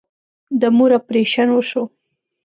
د مور اپريشن وسو.